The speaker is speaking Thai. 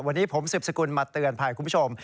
วันนี้ผมสืบสกุลมาเตือนภัยคุณผู้ชม